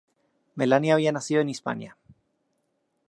Melania había nacido en Hispania.